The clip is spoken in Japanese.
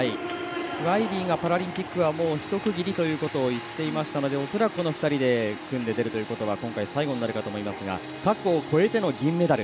ワイリーがパラリンピックはもうひと区切りということを言っていましたので恐らくこの２人で組んで出るというのが今回が最後となると思いますが過去を超えての銀メダル。